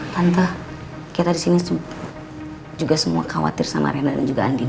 tante kita disini juga semua khawatir sama rena dan juga andin